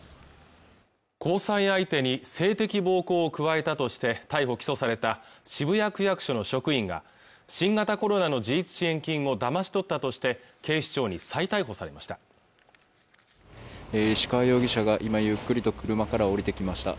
交際相手に性的暴行を加えたとして逮捕起訴された渋谷区役所の職員が新型コロナの自立支援金をだまし取ったとして警視庁に再逮捕されました石川容疑者が今ゆっくりと車から降りてきました